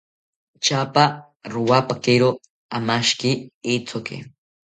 Tyapa rowapakiro amashiki ithoki